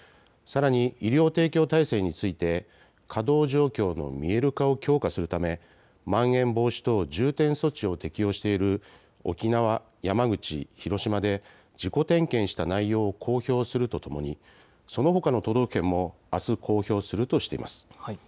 さらに医療提供体制について稼働状況の見える化を強化するため、まん延防止等重点措置を適用している沖縄、山口、広島で自己点検した内容を公表するとともにそのほかの都道府県もあす公表するとしています。